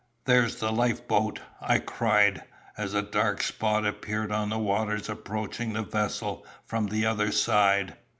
"There's the life boat!" I cried, as a dark spot appeared on the waters approaching the vessel from the other side.